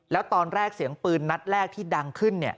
แล้วตอนแรกเสียงปืนนัดแรกที่ดังขึ้น